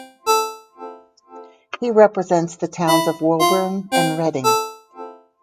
He represents the towns of Woburn and Reading.